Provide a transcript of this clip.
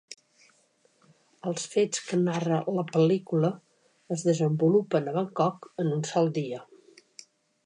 Els fets que narra la pel·lícula es desenvolupen a Bangkok, en un sol dia.